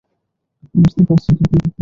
বুঝতে পারছি তুই কি করতে চাস।